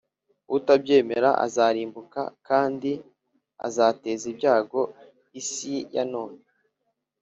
Utabyemera azarimbuka kandi azateza ibyago isi ya none.